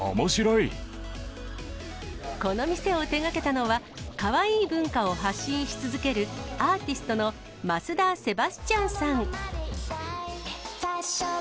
この店を手がけたのは、カワイイ文化を発信し続けるアーティストの増田セバスチャンさん。